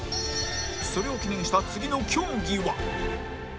それを記念した次の競技は